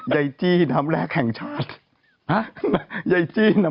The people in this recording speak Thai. ไยจี้หนำแรกแห่งชาติ